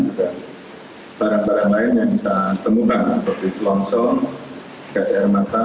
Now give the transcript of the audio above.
dan barang barang lain yang kita temukan seperti slong song gas air mata